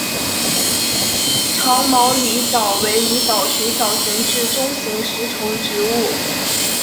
长毛狸藻为狸藻属小型至中型食虫植物。